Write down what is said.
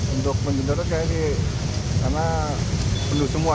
untuk menjendera karena penuh semua